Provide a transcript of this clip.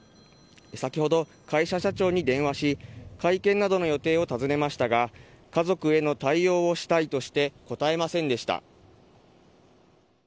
先ほど会社社長に電話し、会見などの予定を尋ねましたが、家族への対応をしたいとして、答えませんでした。